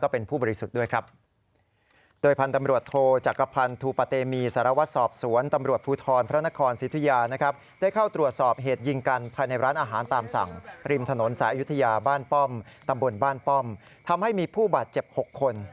ป้อมตำบลบ้านป้อมทำให้มีผู้บาดเจ็บ๖คน